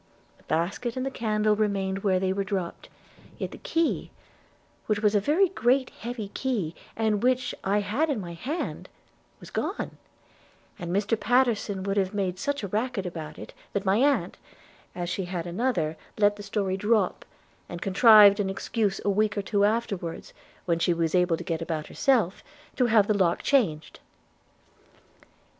The basket and the candle remained where they were dropped; yet the key, which was a very great heavy key, and which I had in my hand, was gone; and Mr Pattenson would have made such a racket about it, that my aunt, as she had another, let the story drop, and contrived an excuse a week or two afterwards, when she was able to get about herself, to have the lock changed.'